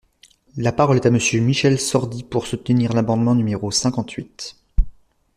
La parole est à Monsieur Michel Sordi, pour soutenir l’amendement numéro cinquante-huit.